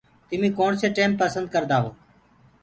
تمي ڪوڻسي ٽيم پسند ڪردآ هو۔